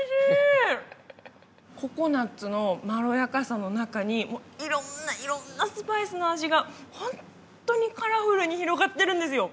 ココナッツのまろやかさの中に色んな色んなスパイスの味がホントにカラフルに広がってるんですよ